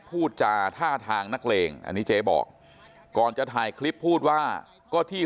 พูดจาท่าทางนักเลงอันนี้เจ๊บอกก่อนจะถ่ายคลิปพูดว่าก็ที่